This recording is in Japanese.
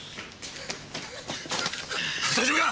大丈夫か！？